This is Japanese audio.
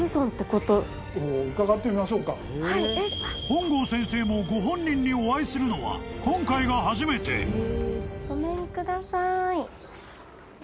［本郷先生もご本人にお会いするのは今回が初めて］ごめんください。